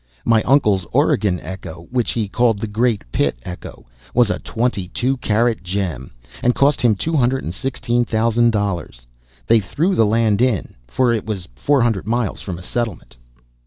My uncle's Oregon echo, which he called the Great Pitt Echo, was a twenty two carat gem, and cost two hundred and sixteen thousand dollars they threw the land in, for it was four hundred miles from a settlement.